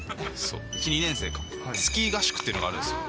１、２年生か、スキー合宿というのがあるんです。